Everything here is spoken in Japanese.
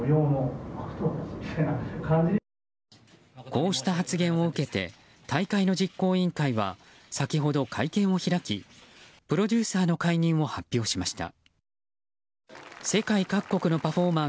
こうした発言を受けて大会の実行委員会は先ほど会見を開きプロデューサーの解任を発表しました。